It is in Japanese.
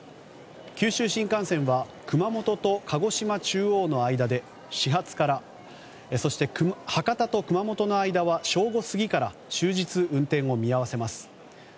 九州新幹線は熊本と鹿児島中央の間で始発からそして、博多と熊本の間は正午過ぎから終日運転を見合わせます。